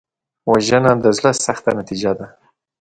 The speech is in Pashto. وژنه د زړه سختۍ نتیجه ده